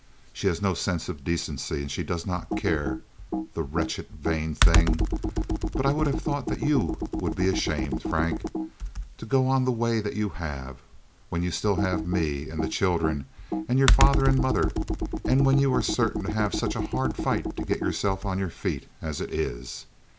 She has no sense of decency and she does not care—the wretched, vain thing—but I would have thought that you would be ashamed, Frank, to go on the way that you have, when you still have me and the children and your father and mother and when you are certain to have such a hard fight to get yourself on your feet, as it is.